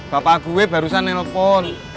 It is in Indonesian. bapak gue barusan nelpon